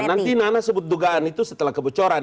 nanti nana sebut dugaan itu setelah kebocoran